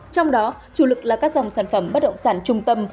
trong đó chủ lực là các dòng sản phẩm bất động sản trung tâm